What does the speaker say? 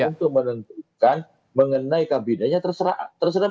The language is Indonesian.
untuk menentukan mengenai kabinannya terserah presiden